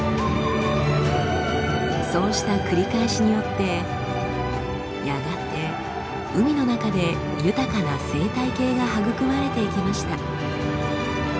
そうした繰り返しによってやがて海の中で豊かな生態系が育まれていきました。